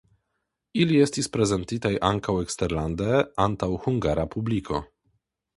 Ili estis prezentitaj ankaŭ eksterlande antaŭ hungara publiko.